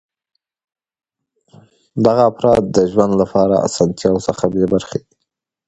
دغه افراد د ژوند له اسانتیاوو څخه بې برخې دي.